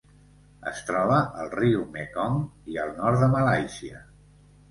Es troba al riu Mekong i al nord de Malàisia.